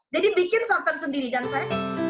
jadi bikin santan sendiri dan saya